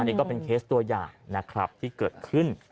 นี่ก็เป็นเคสตัวอย่างนะครับที่เกิดขึ้น